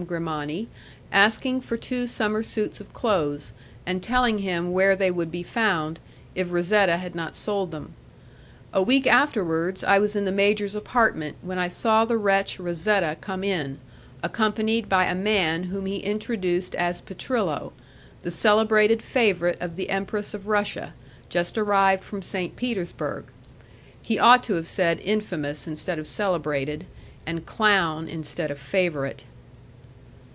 Grimani, asking for two summer suits of clothes, and telling him where they would be found, if Razetta had not sold them. A week afterwards I was in the major's apartment when I saw the wretch Razetta come in, accompanied by a man whom he introduced as Petrillo, the celebrated favourite of the Empress of Russia, just arrived from St. Petersburg. He ought to have said infamous instead of celebrated, and clown instead of favourite.